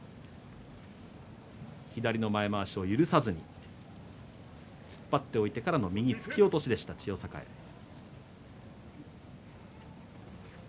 左の前まわしを許さず突っ張っておいてからの右突き落としでした、千代栄です。